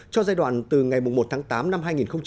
cho giai đoạn từ ngày một tháng tám năm hai nghìn một mươi bảy